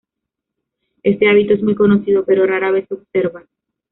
Este hábito es muy conocido, pero rara vez se observa.